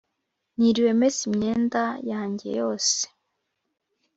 Niriwe mesa imyenda yanjye yose